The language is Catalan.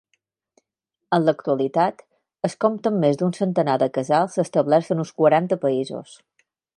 En l'actualitat, es compten més d'un centenar de casals establerts en uns quaranta països.